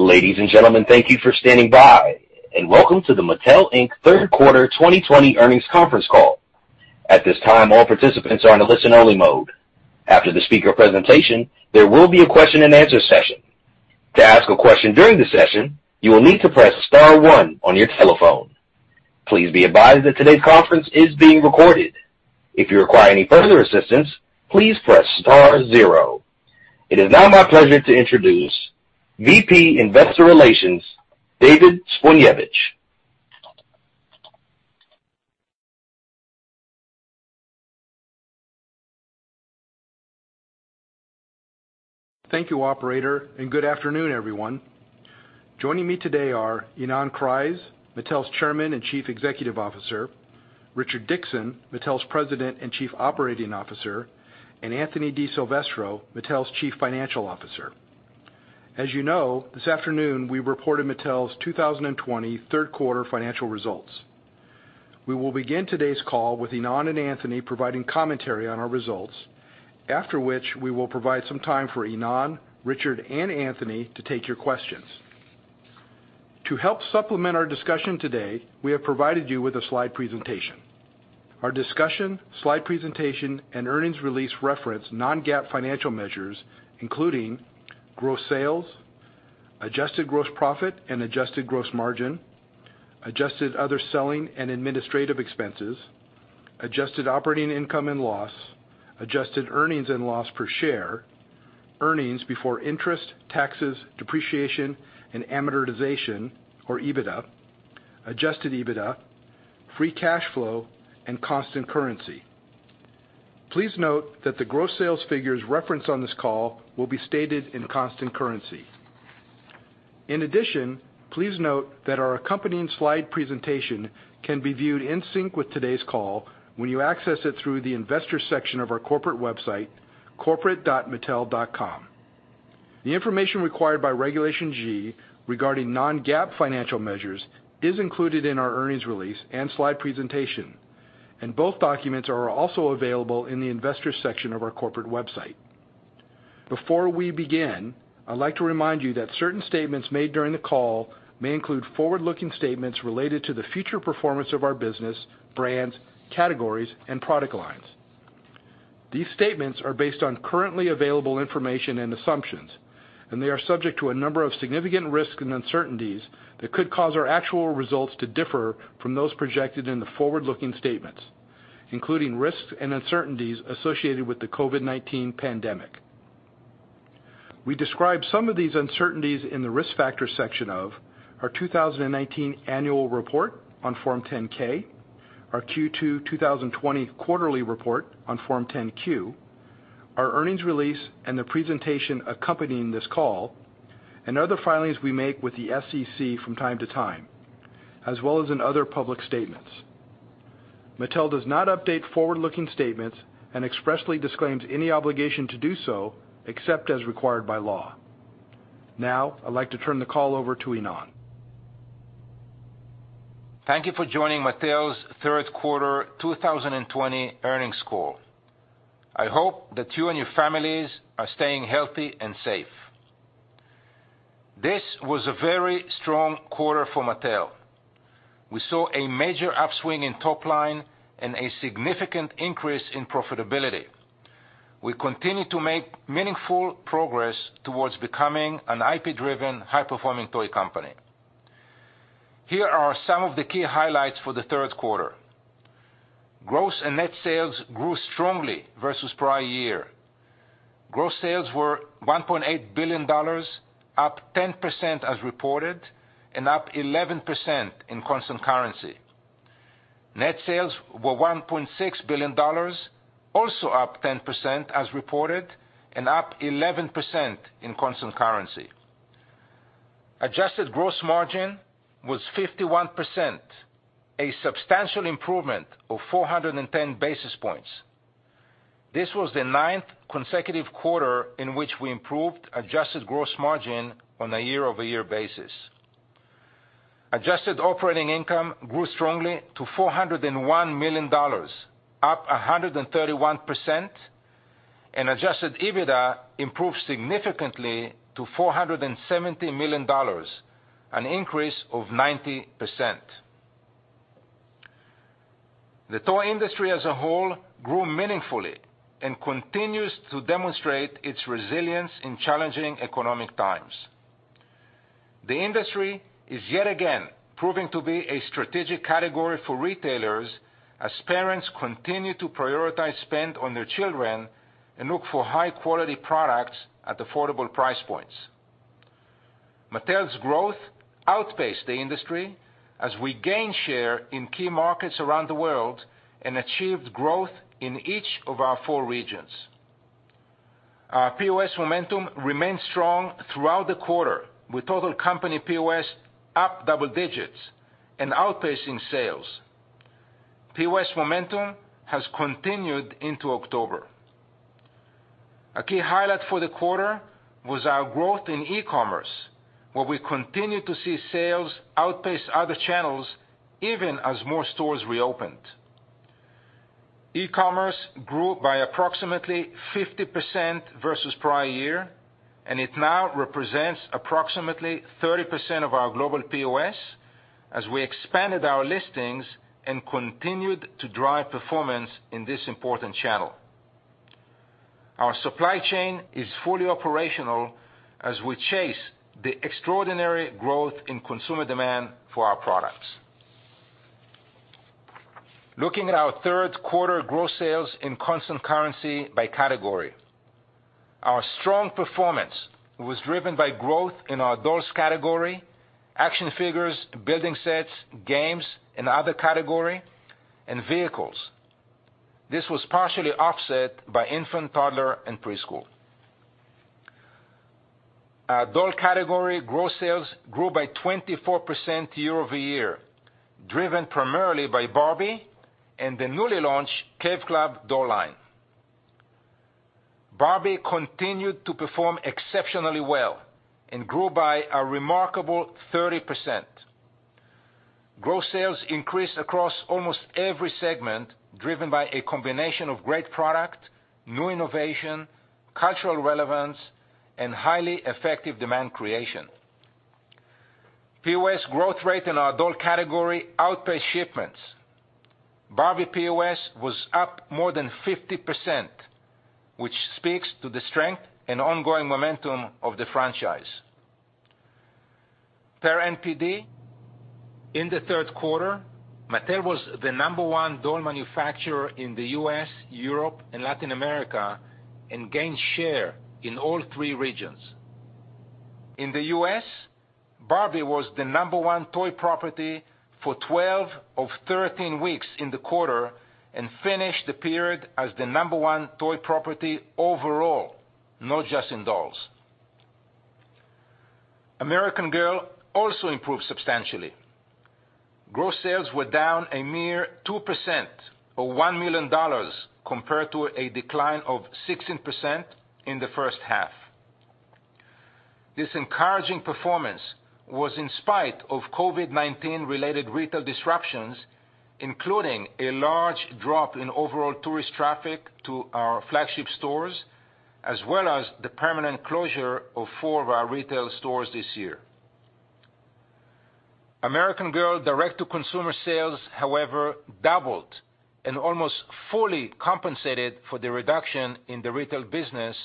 Ladies and gentlemen, thank you for standing by, and welcome to the Mattel, Inc third quarter 2020 earnings conference call. At this time, all participants are in a listen-only mode. After the speaker presentation, there will be a question-and-answer session. To ask a question during the session, you will need to press star one on your telephone. Please be advised that today's conference is being recorded. If you require any further assistance, please press star zero. It is now my pleasure to introduce VP Investor Relations, David Zbojniewicz. Thank you, Operator, and good afternoon, everyone. Joining me today are Ynon Kreiz, Mattel's Chairman and Chief Executive Officer; Richard Dickson, Mattel's President and Chief Operating Officer; and Anthony DiSilvestro, Mattel's Chief Financial Officer. As you know, this afternoon we reported Mattel's 2020 Third Quarter financial results. We will begin today's call with Ynon and Anthony providing commentary on our results, after which we will provide some time for Ynon, Richard, and Anthony to take your questions. To help supplement our discussion today, we have provided you with a slide presentation. Our discussion, slide presentation, and earnings release reference non-GAAP financial measures, including gross sales, adjusted gross profit and adjusted gross margin, adjusted other selling and administrative expenses, adjusted operating income and loss, adjusted earnings and loss per share, earnings before interest, taxes, depreciation, and amortization, or EBITDA, Adjusted EBITDA, free cash flow, and constant currency. Please note that the gross sales figures referenced on this call will be stated in constant currency. In addition, please note that our accompanying slide presentation can be viewed in sync with today's call when you access it through the investor section of our corporate website, corporate.mattel.com. The information required by Regulation G regarding non-GAAP financial measures is included in our earnings release and slide presentation, and both documents are also available in the investor section of our corporate website. Before we begin, I'd like to remind you that certain statements made during the call may include forward-looking statements related to the future performance of our business, brands, categories, and product lines. These statements are based on currently available information and assumptions, and they are subject to a number of significant risks and uncertainties that could cause our actual results to differ from those projected in the forward-looking statements, including risks and uncertainties associated with the COVID-19 pandemic. We describe some of these uncertainties in the risk factor section of our 2019 Annual Report on Form 10-K, our Q2 2020 Quarterly Report on Form 10-Q, our earnings release and the presentation accompanying this call, and other filings we make with the SEC from time to time, as well as in other public statements. Mattel does not update forward-looking statements and expressly disclaims any obligation to do so except as required by law. Now, I'd like to turn the call over to Ynon. Thank you for joining Mattel's third quarter 2020 earnings call. I hope that you and your families are staying healthy and safe. This was a very strong quarter for Mattel. We saw a major upswing in top line and a significant increase in profitability. We continue to make meaningful progress towards becoming an IP-driven, high-performing toy company. Here are some of the key highlights for the third quarter. Gross and net sales grew strongly versus prior year. Gross sales were $1.8 billion, up 10% as reported, and up 11% in constant currency. Net sales were $1.6 billion, also up 10% as reported, and up 11% in constant currency. Adjusted gross margin was 51%, a substantial improvement of 410 basis points. This was the ninth consecutive quarter in which we improved adjusted gross margin on a year-over-year basis. Adjusted operating income grew strongly to $401 million, up 131%, and Adjusted EBITDA improved significantly to $470 million, an increase of 90%. The toy industry as a whole grew meaningfully and continues to demonstrate its resilience in challenging economic times. The industry is yet again proving to be a strategic category for retailers as parents continue to prioritize spend on their children and look for high-quality products at affordable price points. Mattel's growth outpaced the industry as we gained share in key markets around the world and achieved growth in each of our four regions. Our POS momentum remained strong throughout the quarter, with total company POS up double digits and outpacing sales. POS momentum has continued into October. A key highlight for the quarter was our growth in e-commerce, where we continued to see sales outpace other channels even as more stores reopened. E-commerce grew by approximately 50% versus prior year, and it now represents approximately 30% of our global POS as we expanded our listings and continued to drive performance in this important channel. Our supply chain is fully operational as we chase the extraordinary growth in consumer demand for our products. Looking at our third quarter gross sales in constant currency by category, our strong performance was driven by growth in our dolls category, action figures, building sets, games, and other category, and vehicles. This was partially offset by infant, toddler, and preschool. Our doll category gross sales grew by 24% year-over-year, driven primarily by Barbie and the newly launched Cave Club doll line. Barbie continued to perform exceptionally well and grew by a remarkable 30%. Gross sales increased across almost every segment, driven by a combination of great product, new innovation, cultural relevance, and highly effective demand creation. POS growth rate in our doll category outpaced shipments. Barbie POS was up more than 50%, which speaks to the strength and ongoing momentum of the franchise. Per NPD, in the third quarter, Mattel was the number one doll manufacturer in the U.S., Europe, and Latin America and gained share in all three regions. In the U.S., Barbie was the number one toy property for 12 of 13 weeks in the quarter and finished the period as the number one toy property overall, not just in dolls. American Girl also improved substantially. Gross sales were down a mere 2% or $1 million compared to a decline of 16% in the first half. This encouraging performance was in spite of COVID-19-related retail disruptions, including a large drop in overall tourist traffic to our flagship stores, as well as the permanent closure of four of our retail stores this year. American Girl direct-to-consumer sales, however, doubled and almost fully compensated for the reduction in the retail business,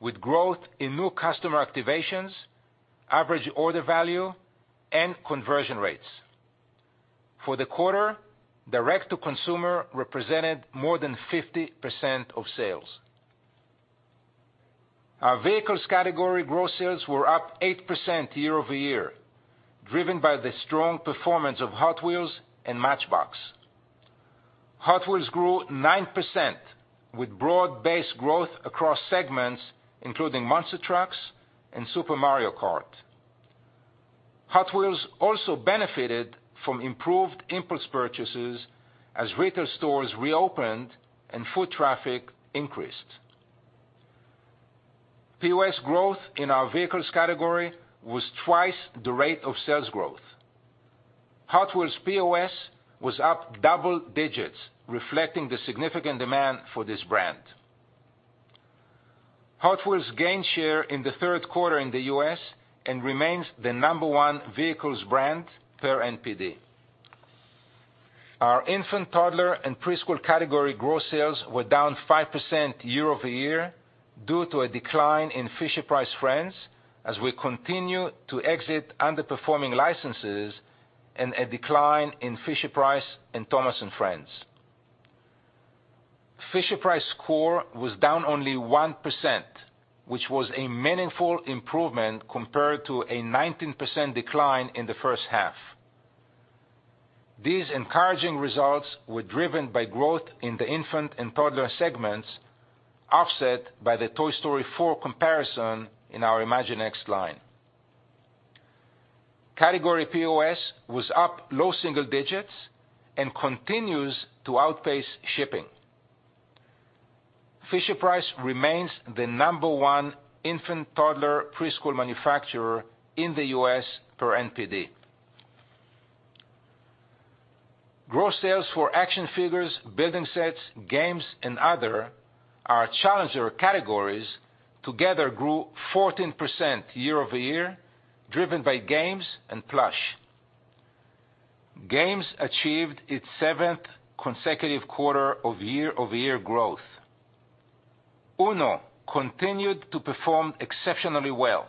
with growth in new customer activations, average order value, and conversion rates. For the quarter, direct-to-consumer represented more than 50% of sales. Our vehicles category gross sales were up 8% year-over-year, driven by the strong performance of Hot Wheels and Matchbox. Hot Wheels grew 9%, with broad-based growth across segments, including monster trucks and Super Mario Kart. Hot Wheels also benefited from improved impulse purchases as retail stores reopened and foot traffic increased. POS growth in our vehicles category was twice the rate of sales growth. Hot Wheels POS was up double digits, reflecting the significant demand for this brand. Hot Wheels gained share in the third quarter in the U.S. and remains the number one vehicles brand per NPD. Our infant, toddler, and preschool category gross sales were down 5% year-over-year due to a decline in Fisher-Price Friends as we continue to exit underperforming licenses and a decline in Fisher-Price and Thomas & Friends. Fisher-Price Core was down only 1%, which was a meaningful improvement compared to a 19% decline in the first half. These encouraging results were driven by growth in the infant and toddler segments, offset by the Toy Story 4 comparison in our Imaginext line. Category POS was up low single digits and continues to outpace shipping. Fisher-Price remains the number one infant, toddler, preschool manufacturer in the U.S. per NPD. Gross sales for action figures, building sets, games, and other, our challenger categories together grew 14% year-over-year, driven by games and plush. Games achieved its seventh consecutive quarter of year-over-year growth. Uno continued to perform exceptionally well,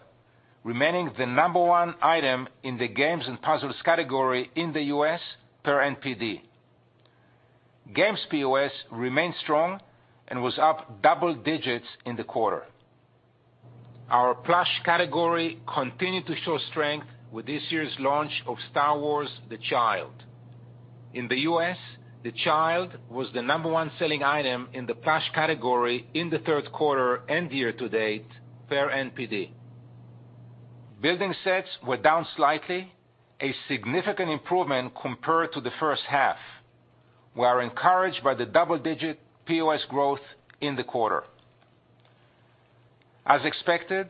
remaining the number one item in the games and puzzles category in the U.S. per NPD. Games POS remained strong and was up double digits in the quarter. Our plush category continued to show strength with this year's launch of Star Wars: The Child. In the U.S., The Child was the number one selling item in the plush category in the third quarter and year-to-date per NPD. Building sets were down slightly, a significant improvement compared to the first half, while encouraged by the double-digit POS growth in the quarter. As expected,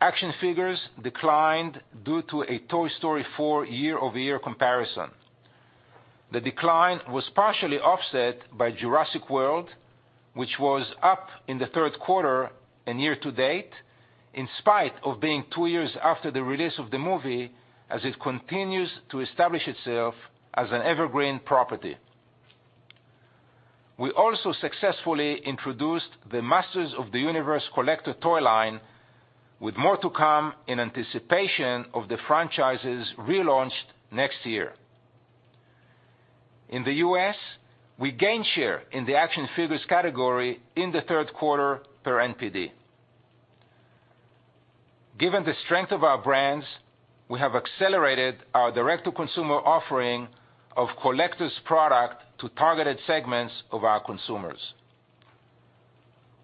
action figures declined due to a Toy Story 4 year-over-year comparison. The decline was partially offset by Jurassic World, which was up in the third quarter and year-to-date in spite of being two years after the release of the movie as it continues to establish itself as an evergreen property. We also successfully introduced the Masters of the Universe Collector toy line, with more to come in anticipation of the franchise's relaunch next year. In the U.S., we gained share in the action figures category in the third quarter per NPD. Given the strength of our brands, we have accelerated our direct-to-consumer offering of collectors' product to targeted segments of our consumers.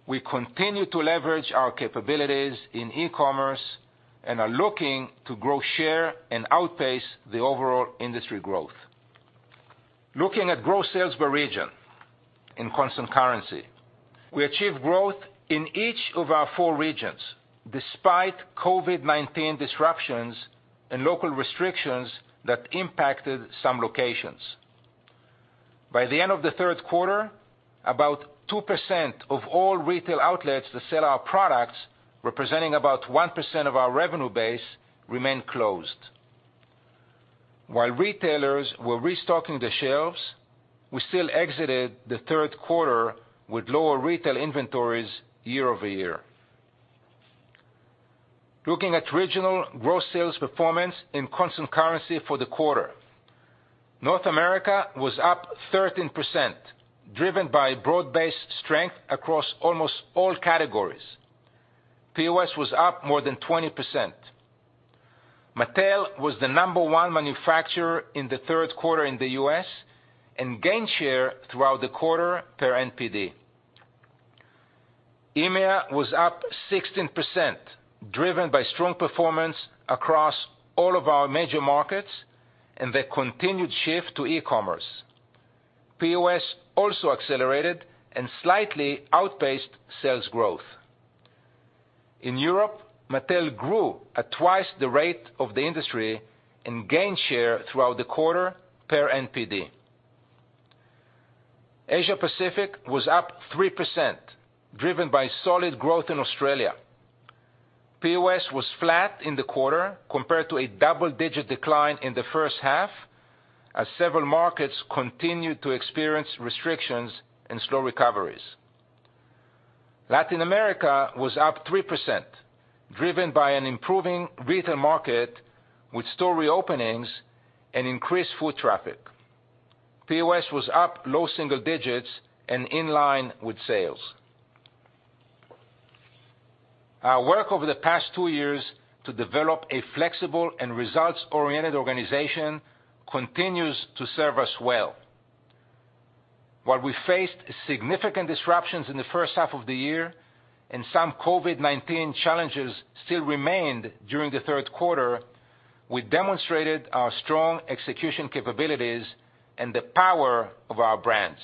We continue to leverage our capabilities in e-commerce and are looking to grow share and outpace the overall industry growth. Looking at gross sales per region in constant currency, we achieved growth in each of our four regions despite COVID-19 disruptions and local restrictions that impacted some locations. By the end of the third quarter, about 2% of all retail outlets that sell our products, representing about 1% of our revenue base, remained closed. While retailers were restocking the shelves, we still exited the third quarter with lower retail inventories year-over-year. Looking at regional gross sales performance in constant currency for the quarter, North America was up 13%, driven by broad-based strength across almost all categories. POS was up more than 20%. Mattel was the number one manufacturer in the third quarter in the U.S. and gained share throughout the quarter per NPD. EMEA was up 16%, driven by strong performance across all of our major markets and the continued shift to e-commerce. POS also accelerated and slightly outpaced sales growth. In Europe, Mattel grew at twice the rate of the industry and gained share throughout the quarter per NPD. Asia-Pacific was up 3%, driven by solid growth in Australia. POS was flat in the quarter compared to a double-digit decline in the first half as several markets continued to experience restrictions and slow recoveries. Latin America was up 3%, driven by an improving retail market with store reopenings and increased foot traffic. POS was up low single digits and in line with sales. Our work over the past two years to develop a flexible and results-oriented organization continues to serve us well. While we faced significant disruptions in the first half of the year and some COVID-19 challenges still remained during the third quarter, we demonstrated our strong execution capabilities and the power of our brands.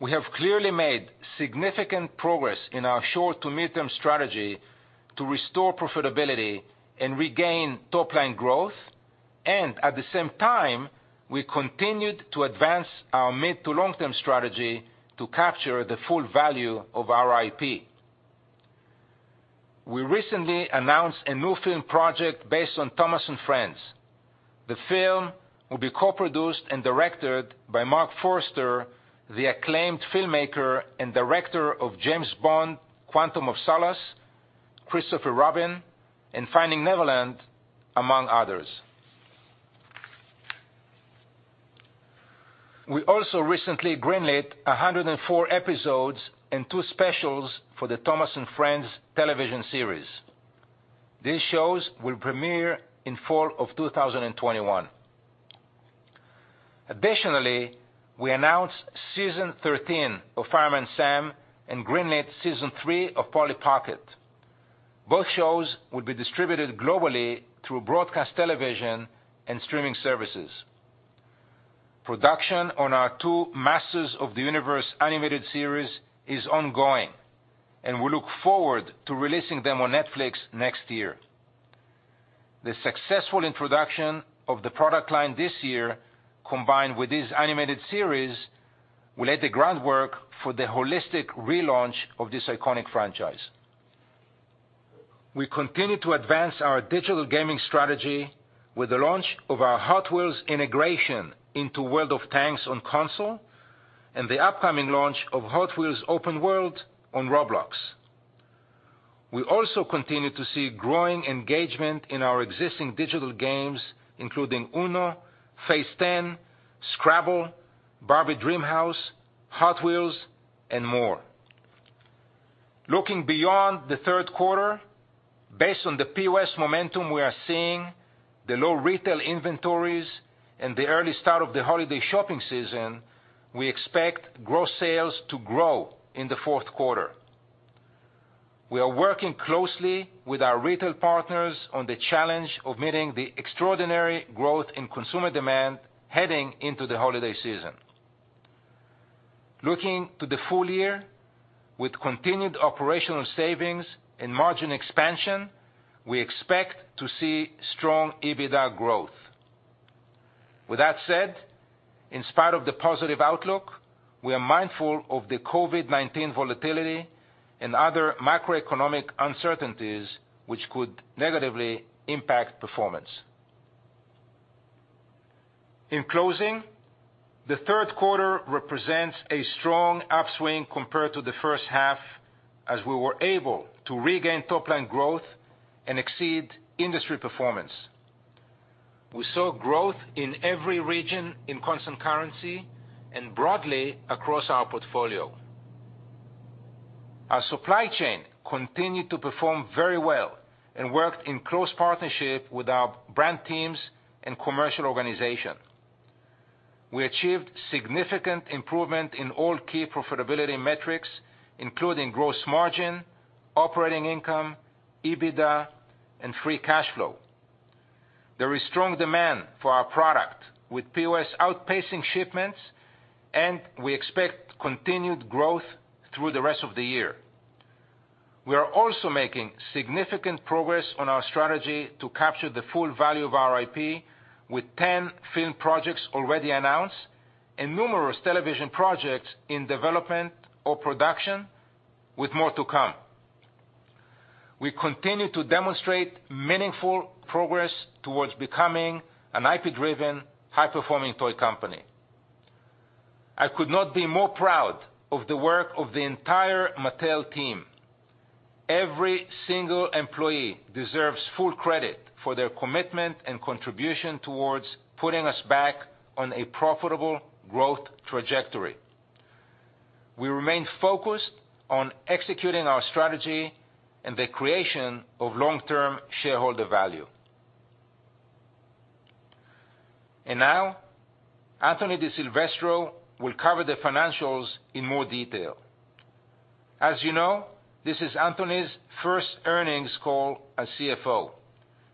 We have clearly made significant progress in our short-to-mid-term strategy to restore profitability and regain top-line growth, and at the same time, we continued to advance our mid-to-long-term strategy to capture the full value of our IP. We recently announced a new film project based on Thomas & Friends. The film will be co-produced and directed by Marc Forster, the acclaimed filmmaker and director of James Bond, Quantum of Solace, Christopher Robin, and Finding Neverland, among others. We also recently greenlit 104 episodes and two specials for the Thomas & Friends television series. These shows will premiere in fall of 2021. Additionally, we announced season 13 of Fireman Sam and greenlit season 3 of Polly Pocket. Both shows will be distributed globally through broadcast television and streaming services. Production on our two Masters of the Universe animated series is ongoing, and we look forward to releasing them on Netflix next year. The successful introduction of the product line this year, combined with this animated series, will lay the groundwork for the holistic relaunch of this iconic franchise. We continue to advance our digital gaming strategy with the launch of our Hot Wheels integration into World of Tanks on console and the upcoming launch of Hot Wheels Open World on Roblox. We also continue to see growing engagement in our existing digital games, including Uno, Phase 10, Scrabble, Barbie Dream House, Hot Wheels, and more. Looking beyond the third quarter, based on the POS momentum we are seeing, the low retail inventories, and the early start of the holiday shopping season, we expect gross sales to grow in the fourth quarter. We are working closely with our retail partners on the challenge of meeting the extraordinary growth in consumer demand heading into the holiday season. Looking to the full year, with continued operational savings and margin expansion, we expect to see strong EBITDA growth. With that said, in spite of the positive outlook, we are mindful of the COVID-19 volatility and other macroeconomic uncertainties, which could negatively impact performance. In closing, the third quarter represents a strong upswing compared to the first half, as we were able to regain top-line growth and exceed industry performance. We saw growth in every region in constant currency and broadly across our portfolio. Our supply chain continued to perform very well and worked in close partnership with our brand teams and commercial organization. We achieved significant improvement in all key profitability metrics, including gross margin, operating income, EBITDA, and free cash flow. There is strong demand for our product, with POS outpacing shipments, and we expect continued growth through the rest of the year. We are also making significant progress on our strategy to capture the full value of our IP, with 10 film projects already announced and numerous television projects in development or production, with more to come. We continue to demonstrate meaningful progress towards becoming an IP-driven, high-performing toy company. I could not be more proud of the work of the entire Mattel team. Every single employee deserves full credit for their commitment and contribution towards putting us back on a profitable growth trajectory. We remain focused on executing our strategy and the creation of long-term shareholder value. Now, Anthony DiSilvestro will cover the financials in more detail. As you know, this is Anthony's first earnings call as CFO.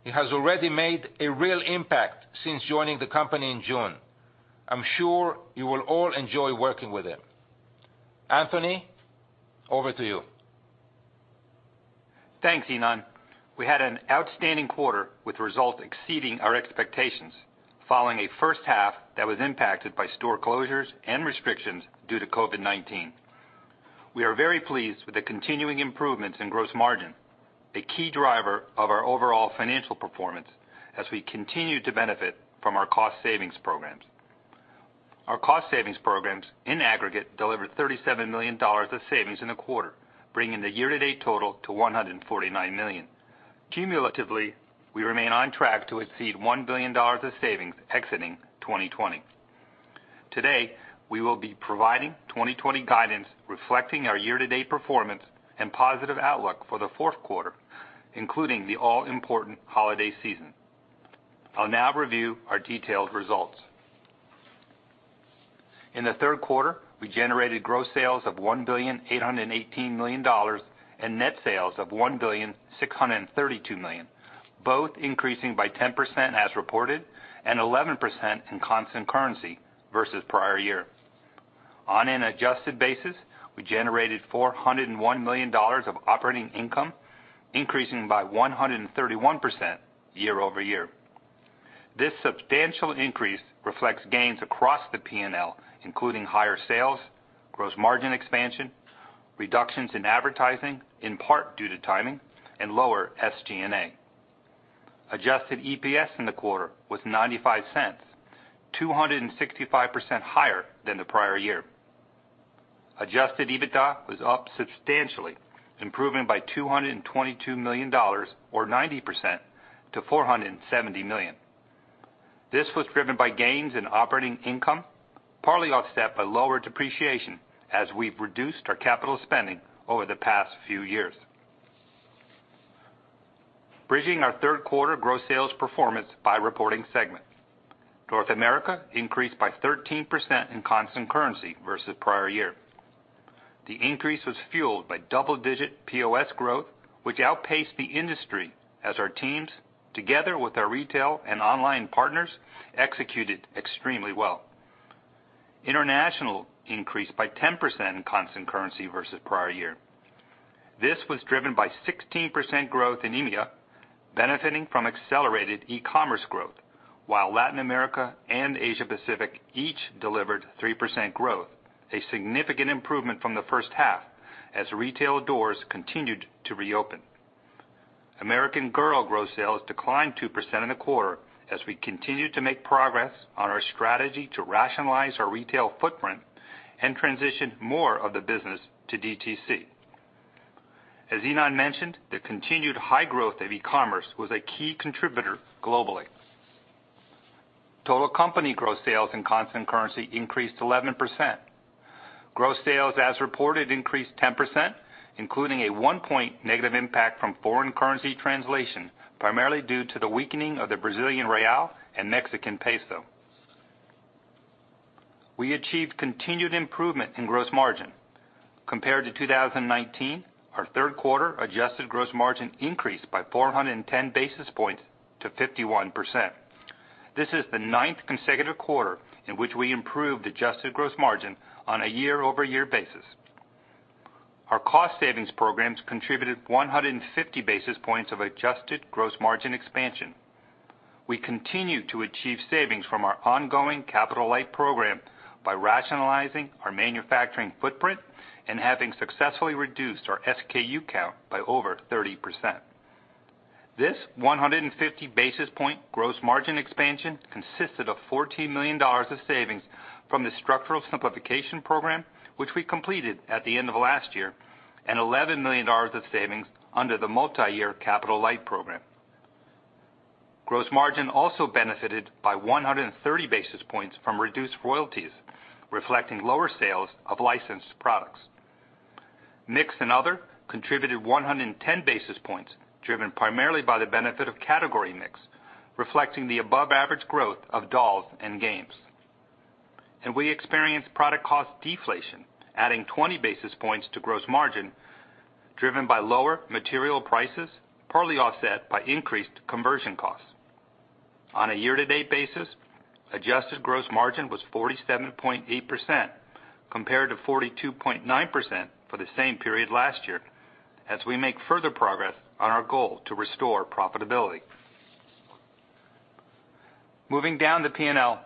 He has already made a real impact since joining the company in June. I am sure you will all enjoy working with him. Anthony, over to you. Thanks, Ynon. We had an outstanding quarter with results exceeding our expectations following a first half that was impacted by store closures and restrictions due to COVID-19. We are very pleased with the continuing improvements in gross margin, a key driver of our overall financial performance as we continue to benefit from our cost savings programs. Our cost savings programs, in aggregate, delivered $37 million of savings in the quarter, bringing the year-to-date total to $149 million. Cumulatively, we remain on track to exceed $1 billion of savings exiting 2020. Today, we will be providing 2020 guidance reflecting our year-to-date performance and positive outlook for the fourth quarter, including the all-important holiday season. I'll now review our detailed results. In the third quarter, we generated gross sales of $1.818 billion and net sales of $1.632 billion, both increasing by 10% as reported and 11% in constant currency versus prior year. On an adjusted basis, we generated $401 million of operating income, increasing by 131% year-over-year. This substantial increase reflects gains across the P&L, including higher sales, gross margin expansion, reductions in advertising, in part due to timing, and lower SG&A. Adjusted EPS in the quarter was $0.95, 265% higher than the prior year. Adjusted EBITDA was up substantially, improving by $222 million, or 90%, to $470 million. This was driven by gains in operating income, partly offset by lower depreciation as we've reduced our capital spending over the past few years. Bridging our third quarter gross sales performance by reporting segment, North America increased by 13% in constant currency versus prior year. The increase was fueled by double-digit POS growth, which outpaced the industry as our teams, together with our retail and online partners, executed extremely well. International increased by 10% in constant currency versus prior year. This was driven by 16% growth in EMEA, benefiting from accelerated e-commerce growth, while Latin America and Asia-Pacific each delivered 3% growth, a significant improvement from the first half as retail doors continued to reopen. American Girl gross sales declined 2% in the quarter as we continued to make progress on our strategy to rationalize our retail footprint and transition more of the business to DTC. As Ynon mentioned, the continued high growth of e-commerce was a key contributor globally. Total company gross sales in constant currency increased 11%. Gross sales, as reported, increased 10%, including a one-point negative impact from foreign currency translation, primarily due to the weakening of the Brazilian real and Mexican peso. We achieved continued improvement in gross margin. Compared to 2019, our third quarter adjusted gross margin increased by 410 basis points to 51%. This is the ninth consecutive quarter in which we improved adjusted gross margin on a year-over-year basis. Our cost savings programs contributed 150 basis points of adjusted gross margin expansion. We continue to achieve savings from our ongoing capital light program by rationalizing our manufacturing footprint and having successfully reduced our SKU count by over 30%. This 150 basis point gross margin expansion consisted of $14 million of savings from the structural simplification program, which we completed at the end of last year, and $11 million of savings under the multi-year capital light program. Gross margin also benefited by 130 basis points from reduced royalties, reflecting lower sales of licensed products. Mix and other contributed 110 basis points, driven primarily by the benefit of category mix, reflecting the above-average growth of dolls and games. We experienced product cost deflation, adding 20 basis points to gross margin, driven by lower material prices, partly offset by increased conversion costs. On a year-to-date basis, adjusted gross margin was 47.8% compared to 42.9% for the same period last year, as we make further progress on our goal to restore profitability. Moving down the P&L,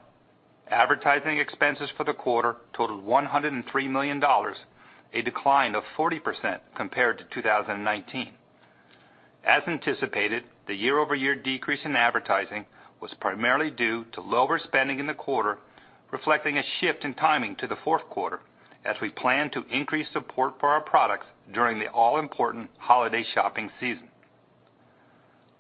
advertising expenses for the quarter totaled $103 million, a decline of 40% compared to 2019. As anticipated, the year-over-year decrease in advertising was primarily due to lower spending in the quarter, reflecting a shift in timing to the fourth quarter as we plan to increase support for our products during the all-important holiday shopping season.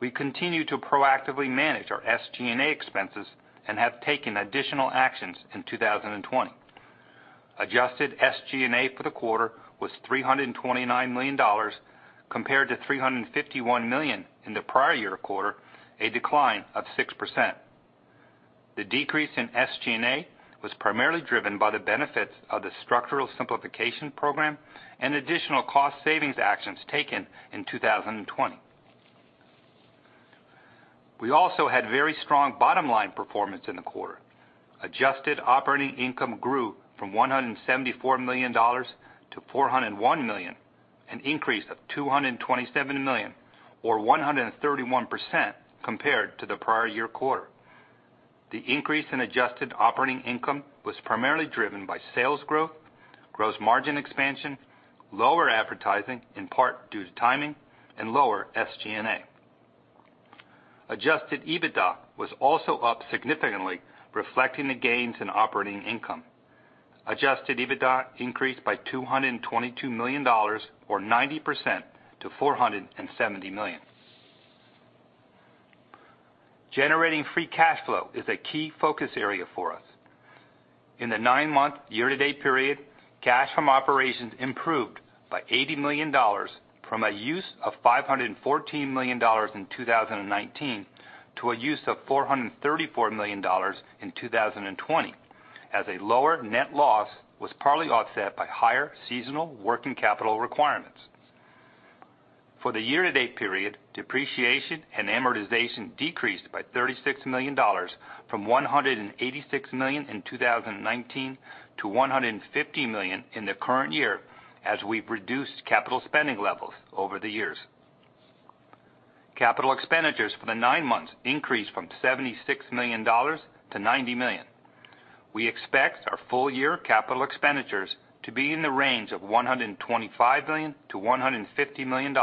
We continue to proactively manage our SG&A expenses and have taken additional actions in 2020. Adjusted SG&A for the quarter was $329 million compared to $351 million in the prior year quarter, a decline of 6%. The decrease in SG&A was primarily driven by the benefits of the structural simplification program and additional cost savings actions taken in 2020. We also had very strong bottom-line performance in the quarter. Adjusted operating income grew from $174 million to $401 million, an increase of $227 million, or 131% compared to the prior year quarter. The increase in adjusted operating income was primarily driven by sales growth, gross margin expansion, lower advertising, in part due to timing, and lower SG&A. Adjusted EBITDA was also up significantly, reflecting the gains in operating income. Adjusted EBITDA increased by $222 million, or 90%, to $470 million. Generating free cash flow is a key focus area for us. In the nine-month year-to-date period, cash from operations improved by $80 million from a use of $514 million in 2019 to a use of $434 million in 2020, as a lower net loss was partly offset by higher seasonal working capital requirements. For the year-to-date period, depreciation and amortization decreased by $36 million from $186 million in 2019 to $150 million in the current year as we've reduced capital spending levels over the years. Capital expenditures for the nine months increased from $76 million to $90 million. We expect our full-year capital expenditures to be in the range of $125 million-$150 million,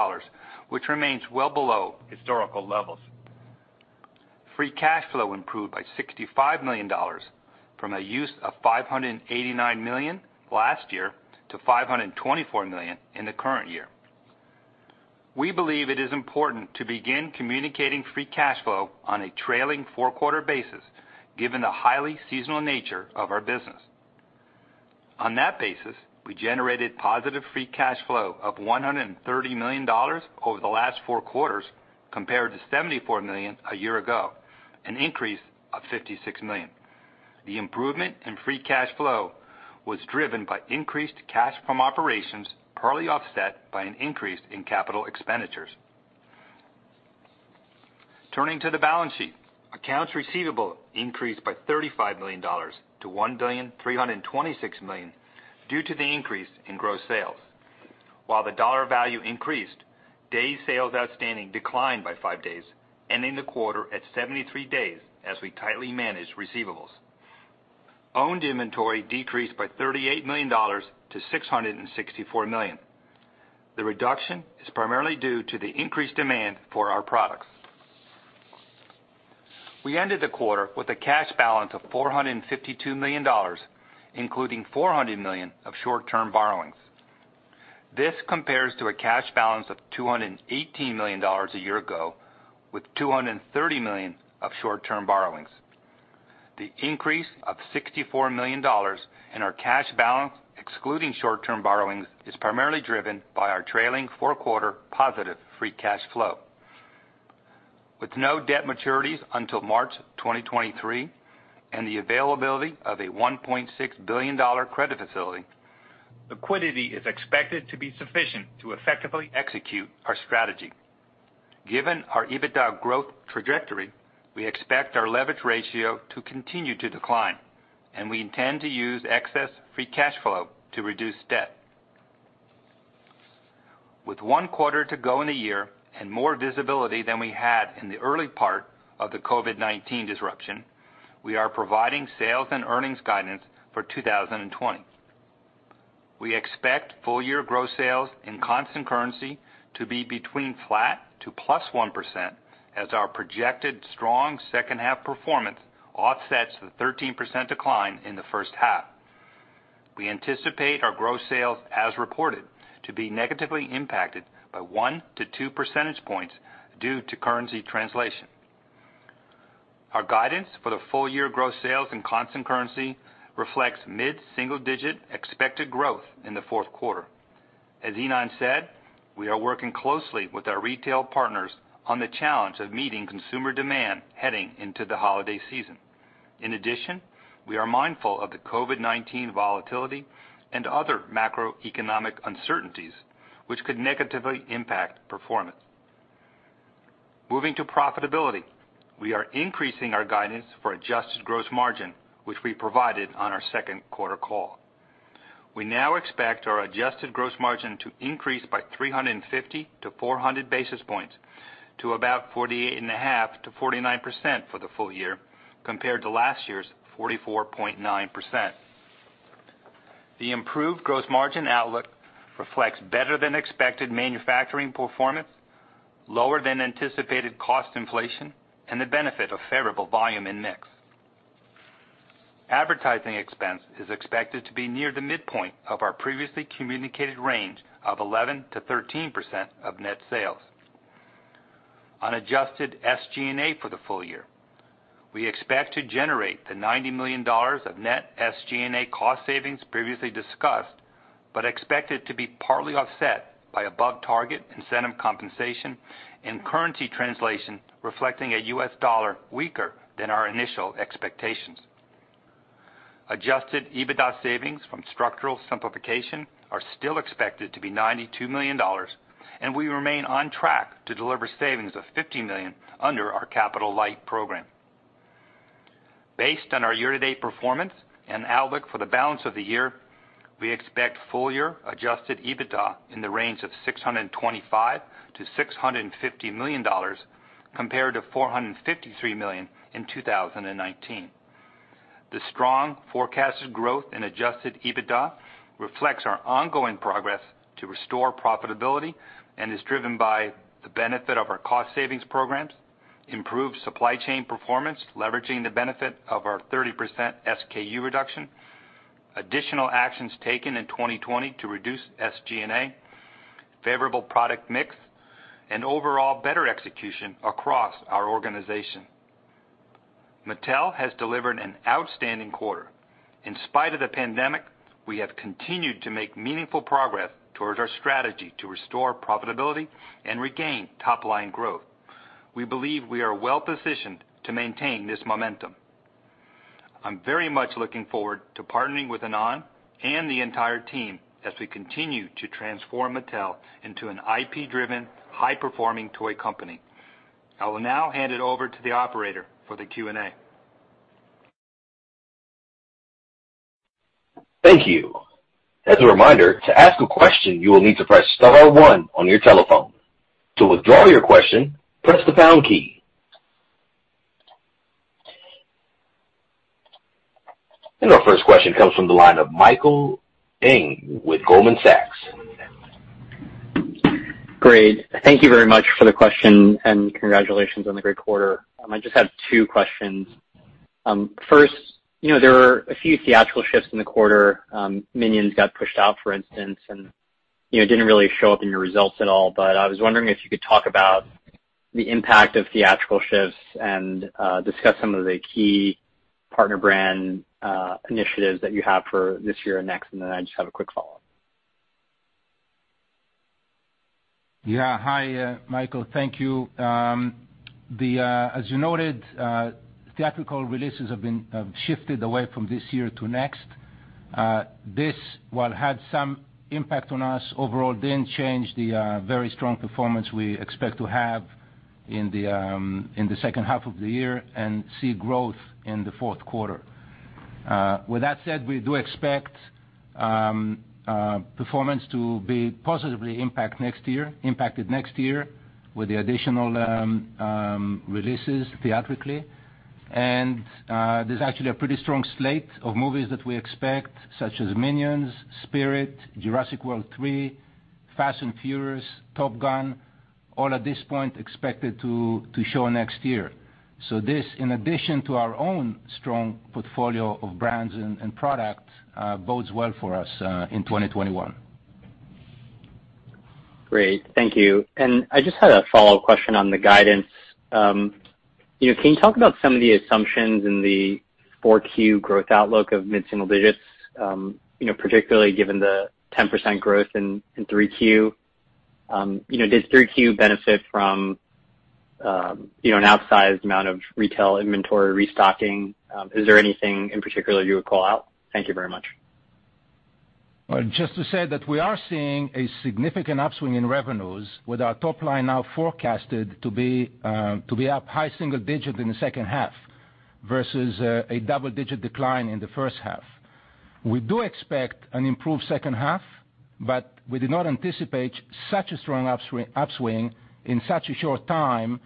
which remains well below historical levels. Free cash flow improved by $65 million from a use of $589 million last year to $524 million in the current year. We believe it is important to begin communicating free cash flow on a trailing four-quarter basis, given the highly seasonal nature of our business. On that basis, we generated positive free cash flow of $130 million over the last four quarters compared to $74 million a year ago, an increase of $56 million. The improvement in free cash flow was driven by increased cash from operations, partly offset by an increase in capital expenditures. Turning to the balance sheet, accounts receivable increased by $35 million to $1.326 billion due to the increase in gross sales. While the dollar value increased, day sales outstanding declined by five days, ending the quarter at 73 days as we tightly managed receivables. Owned inventory decreased by $38 million to $664 million. The reduction is primarily due to the increased demand for our products. We ended the quarter with a cash balance of $452 million, including $400 million of short-term borrowings. This compares to a cash balance of $218 million a year ago, with $230 million of short-term borrowings. The increase of $64 million in our cash balance, excluding short-term borrowings, is primarily driven by our trailing four-quarter positive free cash flow. With no debt maturities until March 2023 and the availability of a $1.6 billion credit facility, liquidity is expected to be sufficient to effectively execute our strategy. Given our EBITDA growth trajectory, we expect our leverage ratio to continue to decline, and we intend to use excess free cash flow to reduce debt. With one quarter to go in the year and more visibility than we had in the early part of the COVID-19 disruption, we are providing sales and earnings guidance for 2020. We expect full-year gross sales in constant currency to be between flat to +1% as our projected strong second-half performance offsets the 13% decline in the first half. We anticipate our gross sales, as reported, to be negatively impacted by 1-2 percentage points due to currency translation. Our guidance for the full-year gross sales in constant currency reflects mid-single-digit expected growth in the fourth quarter. As Ynon said, we are working closely with our retail partners on the challenge of meeting consumer demand heading into the holiday season. In addition, we are mindful of the COVID-19 volatility and other macroeconomic uncertainties, which could negatively impact performance. Moving to profitability, we are increasing our guidance for adjusted gross margin, which we provided on our second quarter call. We now expect our adjusted gross margin to increase by 350-400 basis points to about 48.5%-49% for the full year compared to last year's 44.9%. The improved gross margin outlook reflects better-than-expected manufacturing performance, lower-than-anticipated cost inflation, and the benefit of favorable volume and mix. Advertising expense is expected to be near the midpoint of our previously communicated range of 11%-13% of net sales. On adjusted SG&A for the full year, we expect to generate the $90 million of net SG&A cost savings previously discussed but expected to be partly offset by above-target incentive compensation and currency translation reflecting a U.S. dollar weaker than our initial expectations. Adjusted EBITDA savings from structural simplification are still expected to be $92 million, and we remain on track to deliver savings of $50 million under our capital light program. Based on our year-to-date performance and outlook for the balance of the year, we expect full-year Adjusted EBITDA in the range of $625 million-$650 million compared to $453 million in 2019. The strong forecasted growth in Adjusted EBITDA reflects our ongoing progress to restore profitability and is driven by the benefit of our cost savings programs, improved supply chain performance leveraging the benefit of our 30% SKU reduction, additional actions taken in 2020 to reduce SG&A, favorable product mix, and overall better execution across our organization. Mattel has delivered an outstanding quarter. In spite of the pandemic, we have continued to make meaningful progress towards our strategy to restore profitability and regain top-line growth. We believe we are well-positioned to maintain this momentum. I'm very much looking forward to partnering with Ynon and the entire team as we continue to transform Mattel into an IP-driven, high-performing toy company. I will now hand it over to the operator for the Q&A. Thank you. As a reminder, to ask a question, you will need to press star one on your telephone. To withdraw your question, press the pound key. Our first question comes from the line of Michael Ng with Goldman Sachs. Great. Thank you very much for the question and congratulations on the great quarter. I just have two questions. First, there were a few theatrical shifts in the quarter. Minions got pushed out, for instance, and it did not really show up in your results at all. I was wondering if you could talk about the impact of theatrical shifts and discuss some of the key partner brand initiatives that you have for this year and next. I just have a quick follow-up. Yeah. Hi, Michael. Thank you. As you noted, theatrical releases have shifted away from this year to next. This, while had some impact on us overall, did not change the very strong performance we expect to have in the second half of the year and see growth in the fourth quarter. With that said, we do expect performance to be positively impacted next year with the additional releases theatrically. There is actually a pretty strong slate of movies that we expect, such as Minions, Spirit, Jurassic World 3, Fast and Furious, Top Gun, all at this point expected to show next year. This, in addition to our own strong portfolio of brands and products, bodes well for us in 2021. Great. Thank you. I just had a follow-up question on the guidance. Can you talk about some of the assumptions in the Q4 growth outlook of mid-single digits, particularly given the 10% growth in Q3? Did Q3 benefit from an outsized amount of retail inventory restocking? Is there anything in particular you would call out? Thank you very much. Just to say that we are seeing a significant upswing in revenues with our top line now forecasted to be up high single digit in the second half versus a double-digit decline in the first half. We do expect an improved second half, but we did not anticipate such a strong upswing in such a short time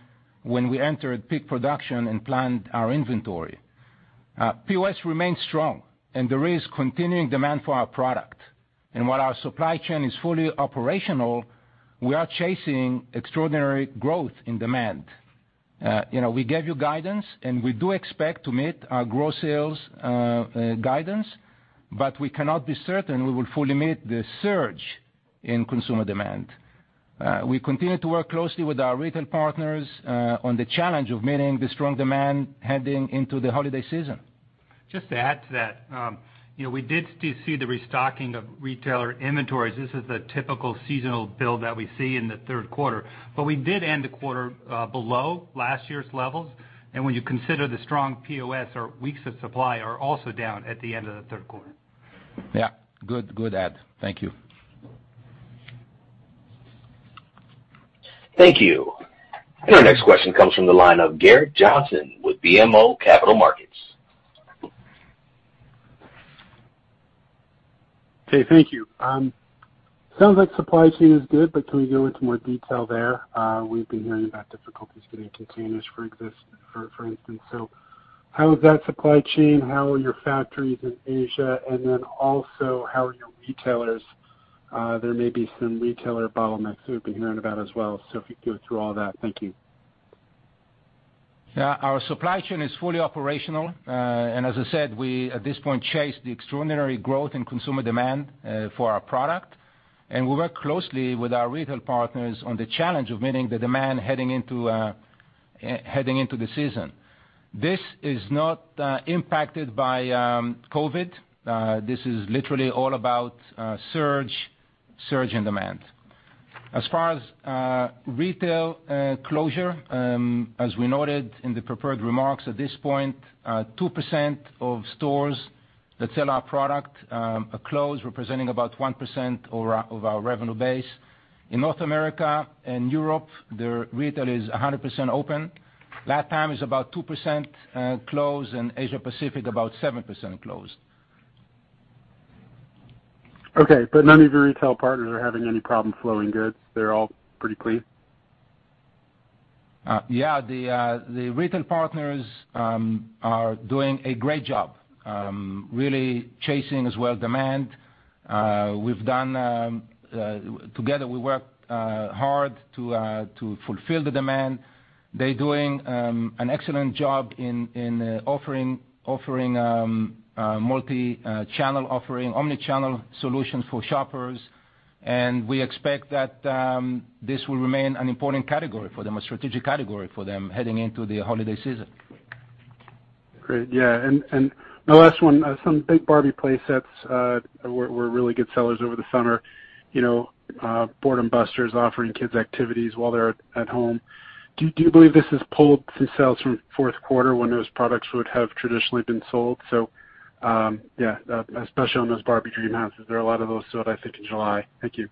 when we entered peak production and planned our inventory. POS remains strong, and there is continuing demand for our product. While our supply chain is fully operational, we are chasing extraordinary growth in demand. We gave you guidance, and we do expect to meet our gross sales guidance, but we cannot be certain we will fully meet the surge in consumer demand. We continue to work closely with our retail partners on the challenge of meeting the strong demand heading into the holiday season. Just to add to that, we did see the restocking of retailer inventories. This is the typical seasonal build that we see in the third quarter. We did end the quarter below last year's levels. When you consider the strong POS, our weeks of supply are also down at the end of the third quarter. Yeah. Good add. Thank you. Thank you. Our next question comes from the line of Garrett Johnson with BMO Capital Markets. Okay. Thank you. Sounds like supply chain is good, but can we go into more detail there? We've been hearing about difficulties getting containers, for instance. How is that supply chain? How are your factories in Asia? Also, how are your retailers? There may be some retailer bottlenecks that we've been hearing about as well. If you could go through all that. Thank you. Yeah. Our supply chain is fully operational. As I said, we at this point chase the extraordinary growth in consumer demand for our product. We work closely with our retail partners on the challenge of meeting the demand heading into the season. This is not impacted by COVID. This is literally all about surge in demand. As far as retail closure, as we noted in the prepared remarks, at this point, 2% of stores that sell our product are closed, representing about 1% of our revenue base. In North America and Europe, the retail is 100% open. Latam is about 2% closed, and Asia-Pacific about 7% closed. Okay. None of your retail partners are having any problem flowing goods? They're all pretty pleased? Yeah. The retail partners are doing a great job, really chasing as well demand. Together, we worked hard to fulfill the demand. They're doing an excellent job in offering multi-channel offering, omnichannel solutions for shoppers. We expect that this will remain an important category for them, a strategic category for them heading into the holiday season. Great. Yeah. My last one, some big Barbie playsets. We're really good sellers over the summer, boredom busters, offering kids activities while they're at home. Do you believe this has pulled some sales from fourth quarter when those products would have traditionally been sold? Yeah, especially on those Barbie Dreamhouses. There are a lot of those sold, I think, in July. Thank you.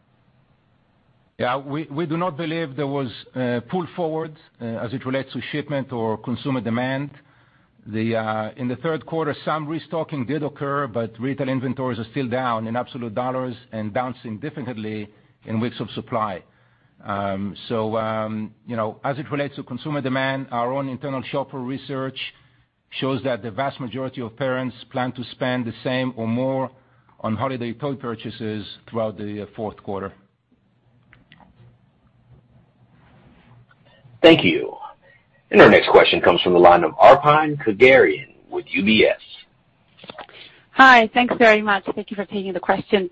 Yeah. We do not believe there was a pull forward as it relates to shipment or consumer demand. In the third quarter, some restocking did occur, but retail inventories are still down in absolute dollars and bouncing difficultly in weeks of supply. As it relates to consumer demand, our own internal shopper research shows that the vast majority of parents plan to spend the same or more on holiday toy purchases throughout the fourth quarter. Thank you. Our next question comes from the line of Arpine Kocharian with UBS. Hi. Thanks very much. Thank you for taking the question.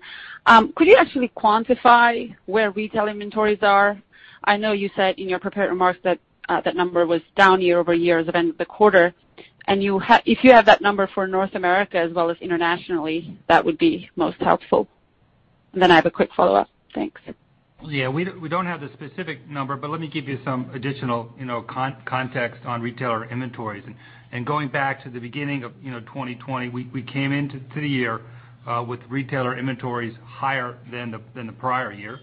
Could you actually quantify where retail inventories are? I know you said in your prepared remarks that that number was down year over year at the end of the quarter. If you have that number for North America as well as internationally, that would be most helpful. I have a quick follow-up. Thanks. Yeah. We do not have the specific number, but let me give you some additional context on retailer inventories. Going back to the beginning of 2020, we came into the year with retailer inventories higher than the prior year.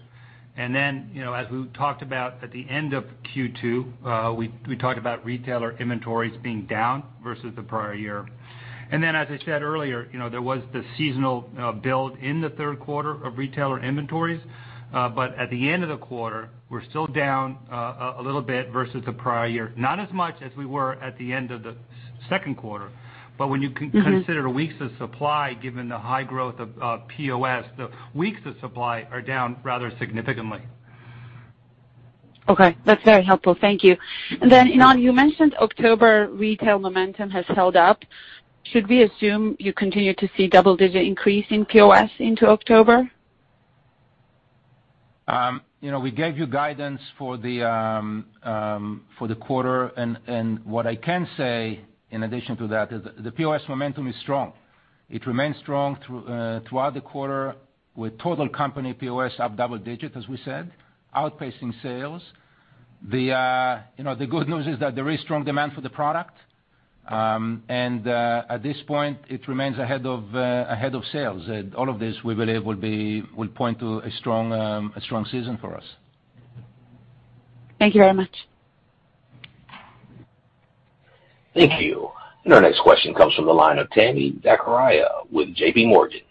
As we talked about at the end of Q2, we talked about retailer inventories being down versus the prior year. As I said earlier, there was the seasonal build in the third quarter of retailer inventories. At the end of the quarter, we are still down a little bit versus the prior year, not as much as we were at the end of the second quarter. When you consider weeks of supply, given the high growth of POS, the weeks of supply are down rather significantly. Okay. That is very helpful. Thank you. Ynon, you mentioned October retail momentum has held up. Should we assume you continue to see double-digit increase in POS into October? We gave you guidance for the quarter. What I can say in addition to that is the POS momentum is strong. It remains strong throughout the quarter with total company POS up double digit, as we said, outpacing sales. The good news is that there is strong demand for the product. At this point, it remains ahead of sales. All of this, we believe, will point to a strong season for us. Thank you very much. Thank you. Our next question comes from the line of Tami Zakaria with JPMorgan.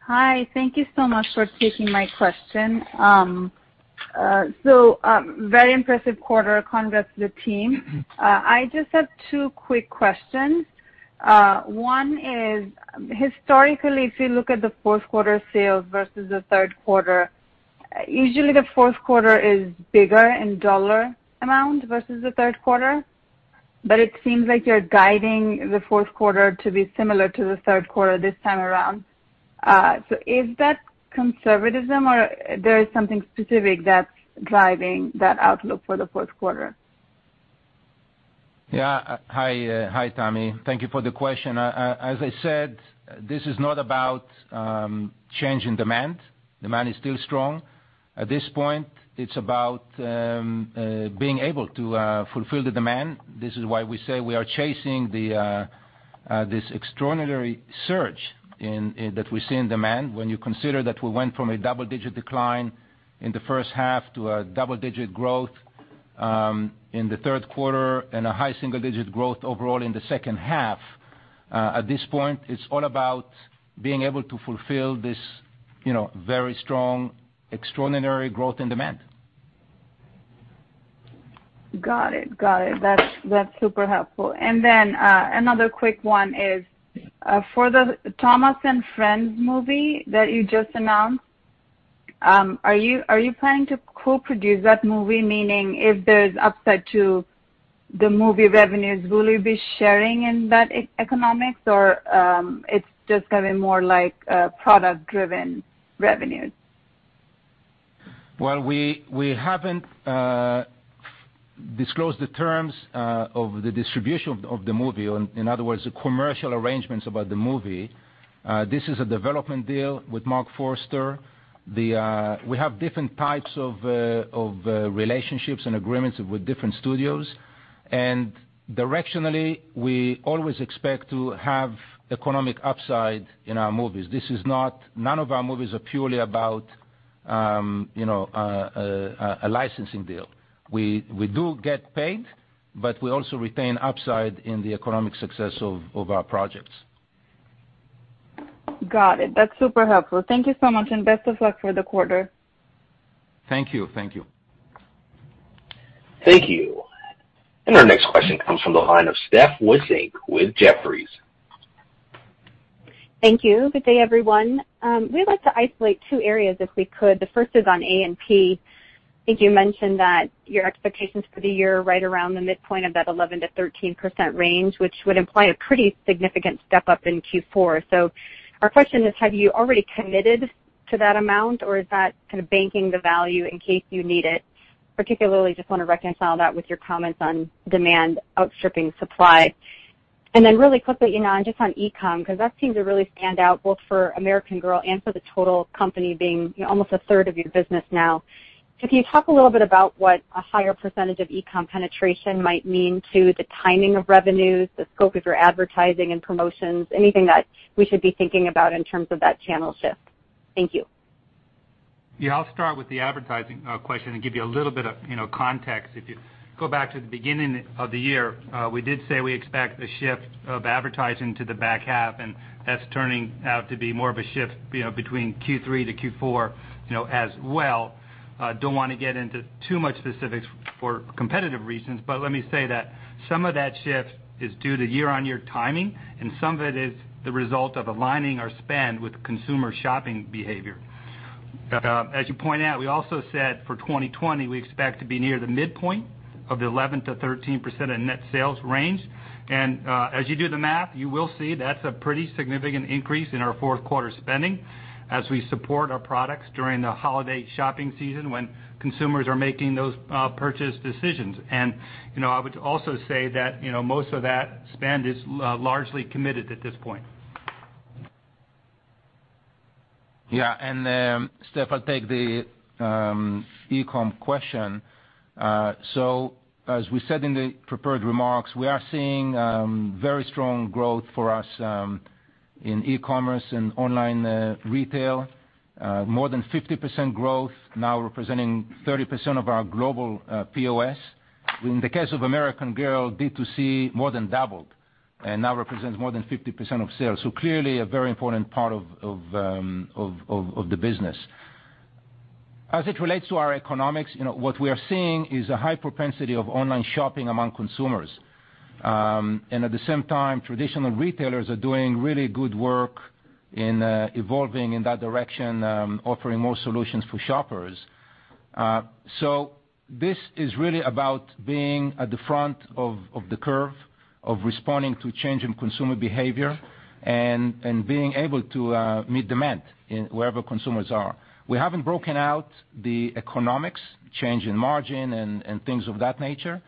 Hi. Thank you so much for taking my question. Very impressive quarter. Congrats to the team. I just have two quick questions. One is, historically, if you look at the fourth quarter sales versus the third quarter, usually the fourth quarter is bigger in dollar amount versus the third quarter. It seems like you're guiding the fourth quarter to be similar to the third quarter this time around. Is that conservatism, or is there something specific that's driving that outlook for the fourth quarter? Yeah. Hi, Tammy. Thank you for the question. As I said, this is not about changing demand. Demand is still strong. At this point, it's about being able to fulfill the demand. This is why we say we are chasing this extraordinary surge that we see in demand when you consider that we went from a double-digit decline in the first half to a double-digit growth in the third quarter and a high single-digit growth overall in the second half. At this point, it's all about being able to fulfill this very strong, extraordinary growth in demand. Got it. Got it. That's super helpful. Another quick one is for the Thomas & Friends movie that you just announced, are you planning to co-produce that movie? Meaning, if there's upside to the movie revenues, will you be sharing in that economics, or it's just going to be more like product-driven revenues? We haven't disclosed the terms of the distribution of the movie. In other words, the commercial arrangements about the movie. This is a development deal with Marc Forster. We have different types of relationships and agreements with different studios. Directionally, we always expect to have economic upside in our movies. None of our movies are purely about a licensing deal. We do get paid, but we also retain upside in the economic success of our projects. Got it. That's super helpful. Thank you so much. Best of luck for the quarter. Thank you. Thank you. Our next question comes from the line of [Steph Woodsey] with Jefferies. Thank you. Good day, everyone. We'd like to isolate two areas if we could. The first is on A&P. I think you mentioned that your expectations for the year are right around the midpoint of that 11%-13% range, which would imply a pretty significant step up in Q4. Our question is, have you already committed to that amount, or is that kind of banking the value in case you need it? Particularly, I just want to reconcile that with your comments on demand outstripping supply. Really quickly, just on E-comm, because that seems to really stand out both for American Girl and for the total company being almost a third of your business now. Can you talk a little bit about what a higher percentage of E-comm penetration might mean to the timing of revenues, the scope of your advertising and promotions, anything that we should be thinking about in terms of that channel shift? Thank you. Yeah. I'll start with the advertising question and give you a little bit of context. If you go back to the beginning of the year, we did say we expect a shift of advertising to the back half, and that's turning out to be more of a shift between Q3 to Q4 as well. Don't want to get into too much specifics for competitive reasons, but let me say that some of that shift is due to year-on-year timing, and some of it is the result of aligning our spend with consumer shopping behavior. As you point out, we also said for 2020, we expect to be near the midpoint of the 11%-13% of net sales range. As you do the math, you will see that's a pretty significant increase in our fourth quarter spending as we support our products during the holiday shopping season when consumers are making those purchase decisions. I would also say that most of that spend is largely committed at this point. Yeah. Steph, I'll take the E-comm question. As we said in the prepared remarks, we are seeing very strong growth for us in e-commerce and online retail. More than 50% growth, now representing 30% of our global POS. In the case of American Girl, D2C more than doubled and now represents more than 50% of sales. Clearly, a very important part of the business. As it relates to our economics, what we are seeing is a high propensity of online shopping among consumers. At the same time, traditional retailers are doing really good work in evolving in that direction, offering more solutions for shoppers. This is really about being at the front of the curve of responding to changing consumer behavior and being able to meet demand wherever consumers are. We haven't broken out the economics, change in margin, and things of that nature.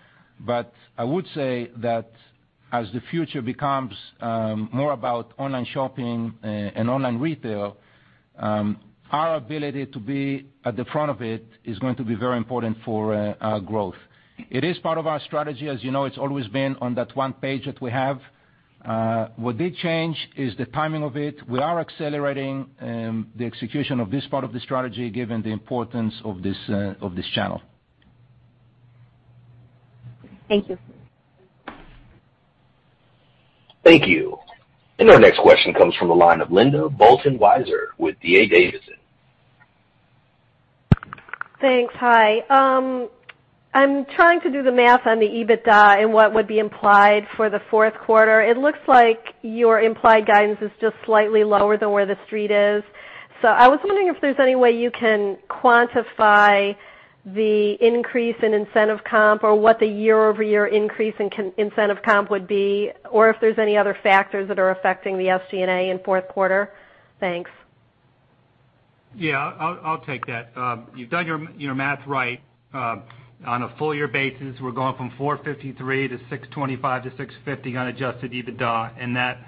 I would say that as the future becomes more about online shopping and online retail, our ability to be at the front of it is going to be very important for growth. It is part of our strategy. As you know, it's always been on that one page that we have. What did change is the timing of it. We are accelerating the execution of this part of the strategy given the importance of this channel. Thank you. Thank you. Our next question comes from the line of Linda Bolton Weiser with D.A. Davidson. Thanks. Hi. I'm trying to do the math on the EBITDA and what would be implied for the fourth quarter. It looks like your implied guidance is just slightly lower than where the street is. I was wondering if there's any way you can quantify the increase in incentive comp or what the year-over-year increase in incentive comp would be, or if there's any other factors that are affecting the SG&A in fourth quarter. Thanks. Yeah. I'll take that. You've done your math right. On a full-year basis, we're going from $453 million to $625 million-$650 million on Adjusted EBITDA, and that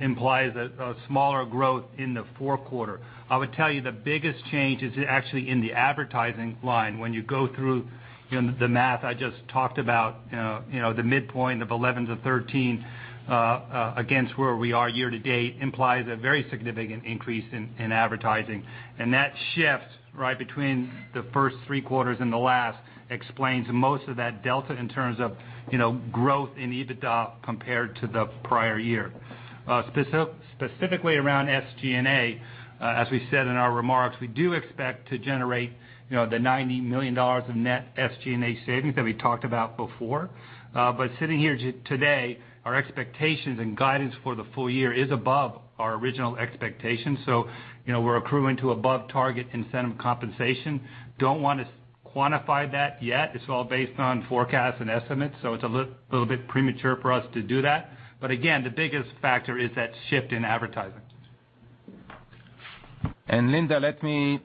implies a smaller growth in the fourth quarter. I would tell you the biggest change is actually in the advertising line. When you go through the math I just talked about, the midpoint of 11%-13% against where we are year to date implies a very significant increase in advertising. That shift right between the first three quarters and the last explains most of that delta in terms of growth in EBITDA compared to the prior year. Specifically around SG&A, as we said in our remarks, we do expect to generate the $90 million of net SG&A savings that we talked about before. Sitting here today, our expectations and guidance for the full year is above our original expectations. We are accruing to above-target incentive compensation. Do not want to quantify that yet. It is all based on forecasts and estimates. It is a little bit premature for us to do that. Again, the biggest factor is that shift in advertising. Linda, let me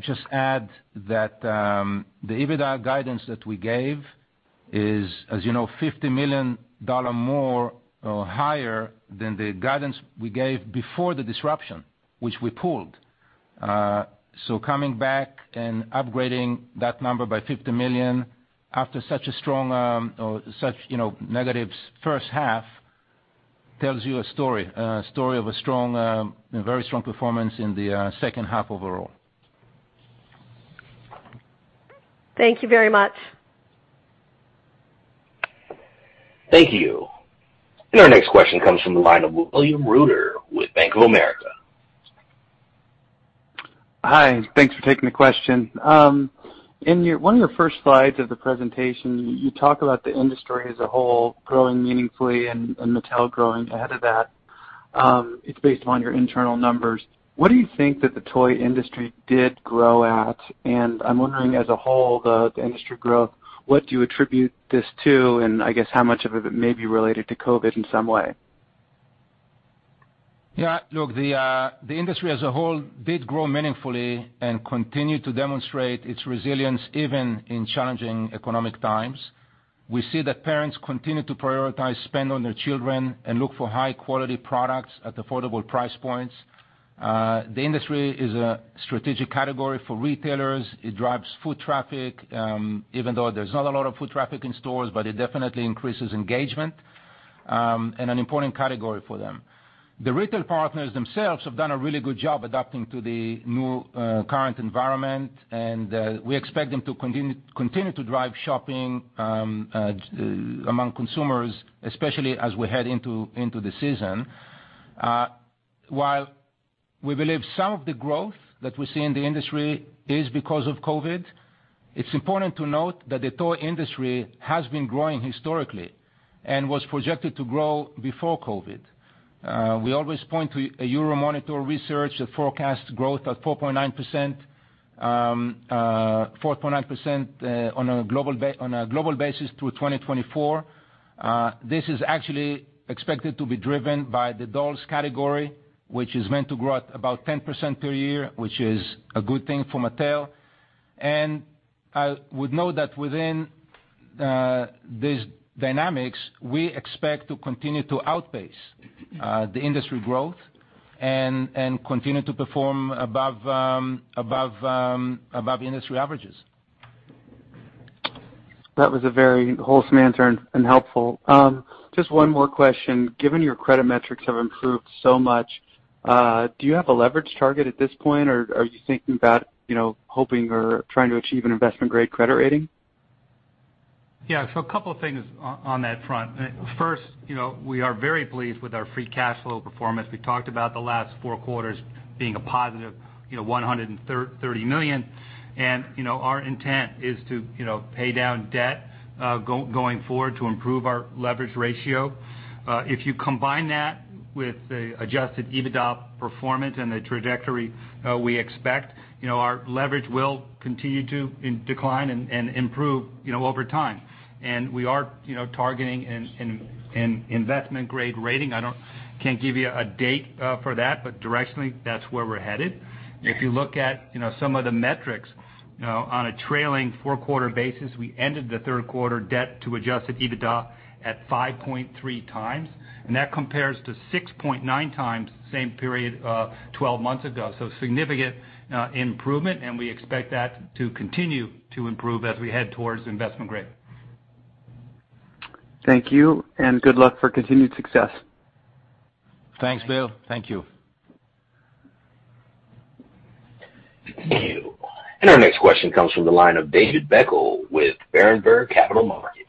just add that the EBITDA guidance that we gave is, as you know, $50 million more or higher than the guidance we gave before the disruption, which we pulled. Coming back and upgrading that number by $50 million after such a strong or such negative first half tells you a story of a very strong performance in the second half overall. Thank you very much. Thank you. Our next question comes from the line of William Reuter with Bank of America. Hi. Thanks for taking the question. In one of your first slides of the presentation, you talk about the industry as a whole growing meaningfully and Mattel growing ahead of that. It's based upon your internal numbers. What do you think that the toy industry did grow at? I'm wondering, as a whole, the industry growth, what do you attribute this to? I guess how much of it may be related to COVID in some way? Yeah. Look, the industry as a whole did grow meaningfully and continued to demonstrate its resilience even in challenging economic times. We see that parents continue to prioritize spend on their children and look for high-quality products at affordable price points. The industry is a strategic category for retailers. It drives foot traffic, even though there's not a lot of foot traffic in stores, but it definitely increases engagement and an important category for them. The retail partners themselves have done a really good job adapting to the new current environment, and we expect them to continue to drive shopping among consumers, especially as we head into the season. While we believe some of the growth that we see in the industry is because of COVID, it's important to note that the toy industry has been growing historically and was projected to grow before COVID. We always point to a Euromonitor research that forecasts growth at 4.9% on a global basis through 2024. This is actually expected to be driven by the dolls category, which is meant to grow at about 10% per year, which is a good thing for Mattel. I would note that within these dynamics, we expect to continue to outpace the industry growth and continue to perform above industry averages. That was a very wholesome answer and helpful. Just one more question. Given your credit metrics have improved so much, do you have a leverage target at this point, or are you thinking about hoping or trying to achieve an investment-grade credit rating? Yeah. A couple of things on that front. First, we are very pleased with our free cash flow performance. We talked about the last four quarters being a +$130 million. Our intent is to pay down debt going forward to improve our leverage ratio. If you combine that with the Adjusted EBITDA performance and the trajectory we expect, our leverage will continue to decline and improve over time. We are targeting an investment-grade rating. I can't give you a date for that, but directionally, that's where we're headed. If you look at some of the metrics, on a trailing four-quarter basis, we ended the third quarter debt to Adjusted EBITDA at 5.3x, and that compares to 6.9x the same period 12 months ago. Significant improvement, and we expect that to continue to improve as we head towards investment grade. Thank you. Good luck for continued success. Thanks, Bill. Thank you. Our next question comes from the line of David Beckel with Berenberg Capital Markets.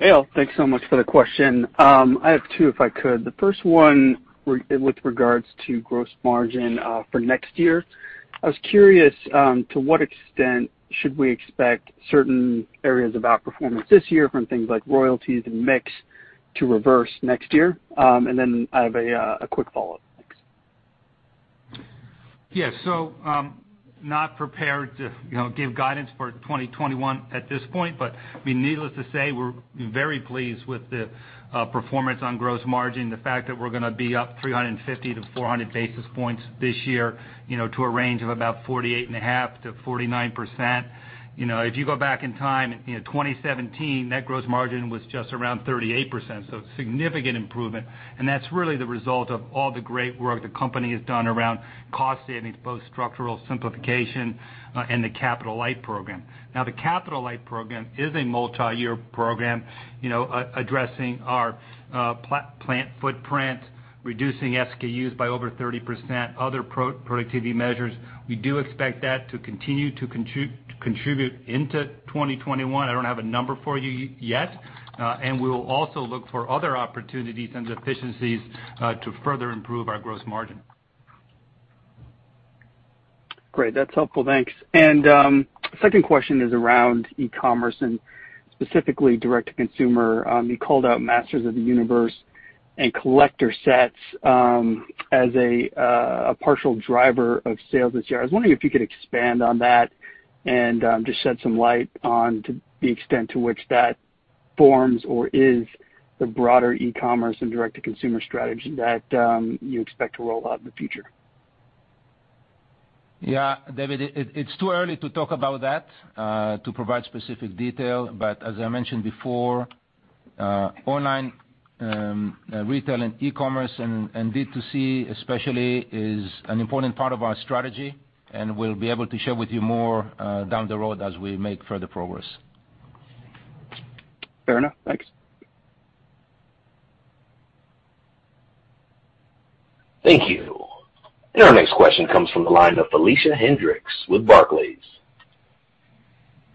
Hey, Al. Thanks so much for the question. I have two if I could. The first one with regards to gross margin for next year. I was curious to what extent should we expect certain areas of outperformance this year from things like royalties and mix to reverse next year? I have a quick follow-up. Thanks. Yeah. Not prepared to give guidance for 2021 at this point, but needless to say, we're very pleased with the performance on gross margin, the fact that we're going to be up 350-400 basis points this year to a range of about 48.5%-49%. If you go back in time, in 2017, that gross margin was just around 38%. Significant improvement. That's really the result of all the great work the company has done around cost savings, both structural simplification and the Capital Light program. The Capital Light program is a multi-year program addressing our plant footprint, reducing SKUs by over 30%, other productivity measures. We do expect that to continue to contribute into 2021. I don't have a number for you yet. We will also look for other opportunities and efficiencies to further improve our gross margin. Great. That's helpful. Thanks. Second question is around e-commerce and specifically direct-to-consumer. You called out Masters of the Universe and collector sets as a partial driver of sales this year. I was wondering if you could expand on that and just shed some light on the extent to which that forms or is the broader e-commerce and direct-to-consumer strategy that you expect to roll out in the future. Yeah. David, it's too early to talk about that, to provide specific detail. As I mentioned before, online retail and e-commerce and D2C especially is an important part of our strategy, and we'll be able to share with you more down the road as we make further progress. Fair enough. Thanks. Thank you. Our next question comes from the line of Felicia Hendrix with Barclays.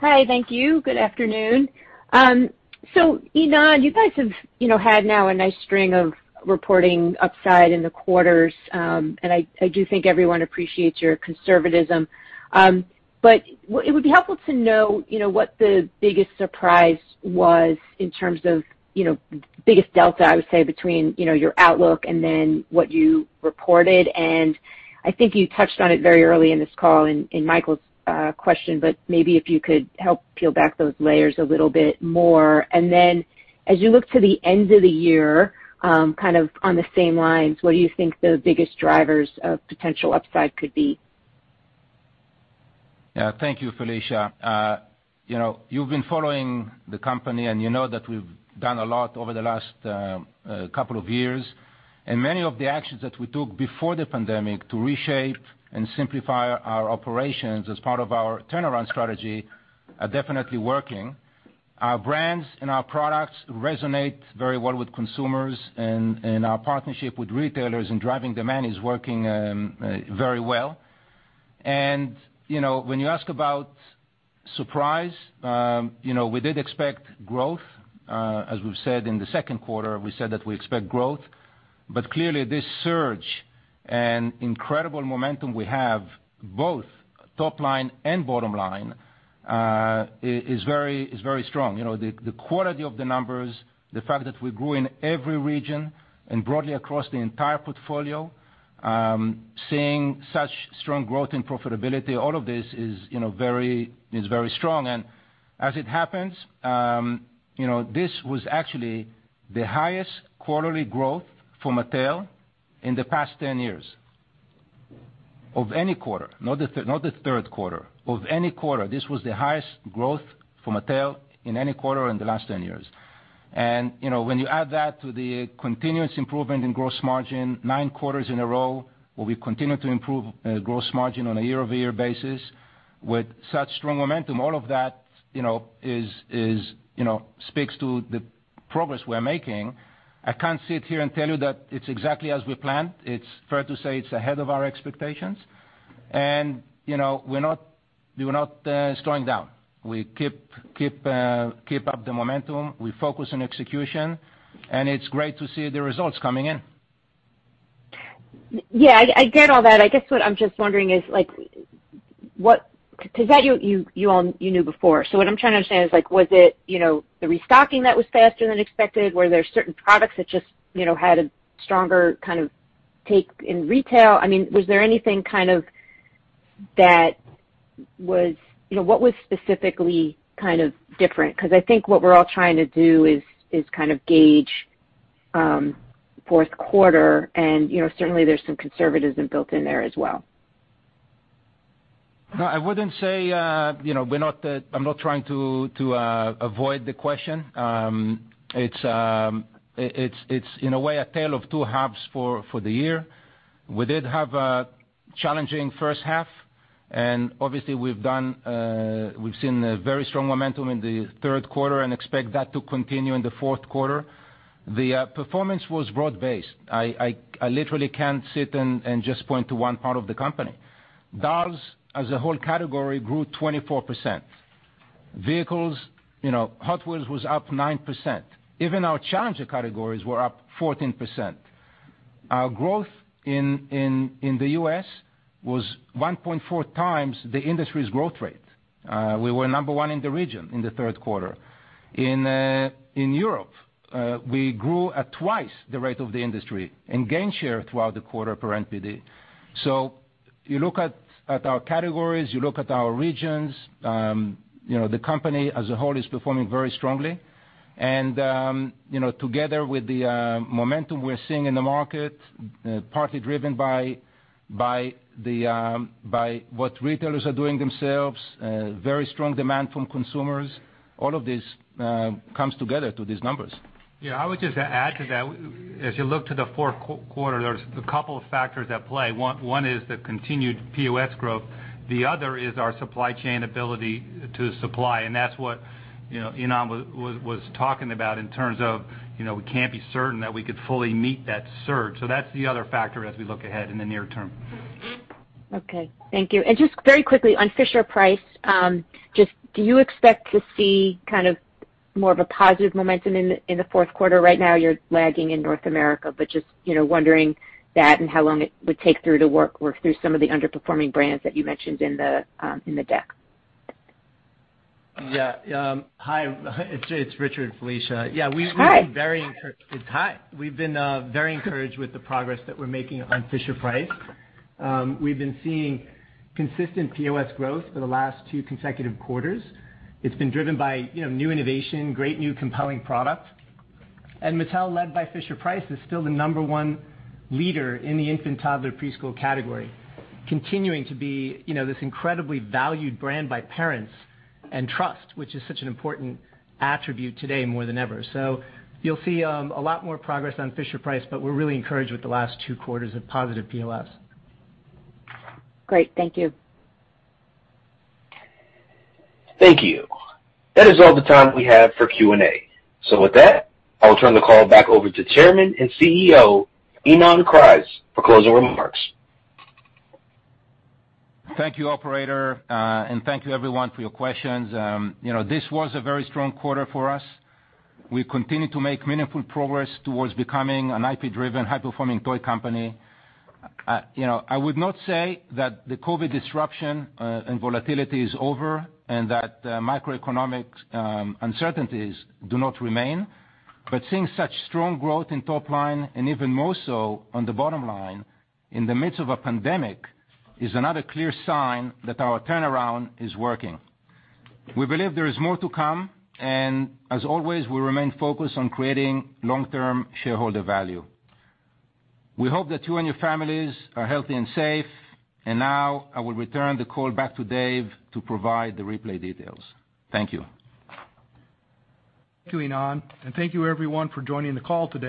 Hi. Thank you. Good afternoon. Ynon, you guys have had now a nice string of reporting upside in the quarters, and I do think everyone appreciates your conservatism. It would be helpful to know what the biggest surprise was in terms of the biggest delta, I would say, between your outlook and then what you reported. I think you touched on it very early in this call in Michael's question, but maybe if you could help peel back those layers a little bit more. As you look to the end of the year, kind of on the same lines, what do you think the biggest drivers of potential upside could be? Yeah. Thank you, Felicia. You've been following the company, and you know that we've done a lot over the last couple of years. Many of the actions that we took before the pandemic to reshape and simplify our operations as part of our turnaround strategy are definitely working. Our brands and our products resonate very well with consumers, and our partnership with retailers in driving demand is working very well. When you ask about surprise, we did expect growth. As we've said in the second quarter, we said that we expect growth. Clearly, this surge and incredible momentum we have, both top line and bottom line, is very strong. The quality of the numbers, the fact that we grew in every region and broadly across the entire portfolio, seeing such strong growth in profitability, all of this is very strong. As it happens, this was actually the highest quarterly growth for Mattel in the past 10 years of any quarter, not the third quarter. Of any quarter, this was the highest growth for Mattel in any quarter in the last 10 years. When you add that to the continuous improvement in gross margin, nine quarters in a row, where we continue to improve gross margin on a year-over-year basis with such strong momentum, all of that speaks to the progress we're making. I can't sit here and tell you that it's exactly as we planned. It's fair to say it's ahead of our expectations. We're not slowing down. We keep up the momentum. We focus on execution, and it's great to see the results coming in. Yeah. I get all that. I guess what I'm just wondering is because that you knew before. What I'm trying to understand is, was it the restocking that was faster than expected? Were there certain products that just had a stronger kind of take in retail? I mean, was there anything kind of that was what was specifically kind of different? Because I think what we're all trying to do is kind of gauge fourth quarter, and certainly, there's some conservatism built in there as well. I wouldn't say I'm not trying to avoid the question. It's, in a way, a tale of two halves for the year. We did have a challenging first half. Obviously, we've seen very strong momentum in the third quarter and expect that to continue in the fourth quarter. The performance was broad-based. I literally can't sit and just point to one part of the company. Dolls, as a whole category, grew 24%. Vehicles, Hot Wheels was up 9%. Even our challenger categories were up 14%. Our growth in the U.S. was 1.4 times the industry's growth rate. We were number one in the region in the third quarter. In Europe, we grew at twice the rate of the industry and gained share throughout the quarter per NPD. You look at our categories, you look at our regions, the company as a whole is performing very strongly. Together with the momentum we're seeing in the market, partly driven by what retailers are doing themselves, very strong demand from consumers, all of this comes together to these numbers. Yeah. I would just add to that, as you look to the fourth quarter, there's a couple of factors at play. One is the continued POS growth. The other is our supply chain ability to supply. That is what Ynon was talking about in terms of we cannot be certain that we could fully meet that surge. That is the other factor as we look ahead in the near term. Okay. Thank you. Just very quickly, on Fisher-Price, do you expect to see kind of more of a positive momentum in the fourth quarter? Right now, you are lagging in North America, but just wondering that and how long it would take to work through some of the underperforming brands that you mentioned in the deck. Yeah. Hi. It is Richard, Felicia. Yeah. We have been very encouraged with the progress that we are making on Fisher-Price. We have been seeing consistent POS growth for the last two consecutive quarters. It has been driven by new innovation, great new compelling products. Mattel, led by Fisher-Price, is still the number one leader in the infant, toddler, preschool category, continuing to be this incredibly valued brand by parents and trust, which is such an important attribute today more than ever. You will see a lot more progress on Fisher-Price, but we are really encouraged with the last two quarters of positive POS. Great. Thank you. Thank you. That is all the time we have for Q&A. With that, I will turn the call back over to Chairman and CEO Ynon Kreiz for closing remarks. Thank you, Operator, and thank you, everyone, for your questions. This was a very strong quarter for us. We continue to make meaningful progress towards becoming an IP-driven, high-performing toy company. I would not say that the COVID disruption and volatility is over and that macroeconomic uncertainties do not remain. Seeing such strong growth in top line and even more so on the bottom line in the midst of a pandemic is another clear sign that our turnaround is working. We believe there is more to come, and as always, we remain focused on creating long-term shareholder value. We hope that you and your families are healthy and safe. I will return the call back to Dave to provide the replay details. Thank you. Thank you, Ynon. Thank you, everyone, for joining the call today.